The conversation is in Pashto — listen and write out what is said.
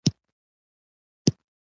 چیری یی یاره هیڅ نه معلومیږي.